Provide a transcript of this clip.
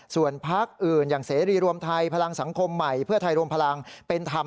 ส่วนพักอื่นอย่างเสรีรวมไทยพลังสังคมใหม่เพื่อไทยรวมพลังเป็นธรรม